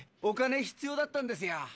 お金必要だったんですよ。